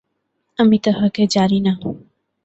আমি তাহাকে জানি না।